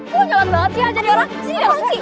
lo jalan banget sih aja diorang